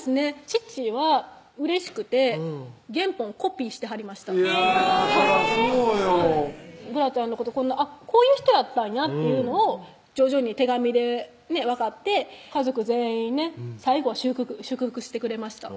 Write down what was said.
父はうれしくて原本コピーしてはりましたいやそらそうよブラちゃんのことこういう人やったんやというのを徐々に手紙で分かって家族全員ね最後は祝福してくれました